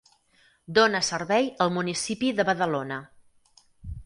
Dona servei al municipi de Badalona.